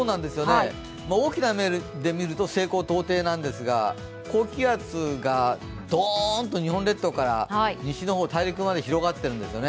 大きな目でみると西高東低なんですが高気圧がドーンと日本列島から西大陸まで広がってるんですよね。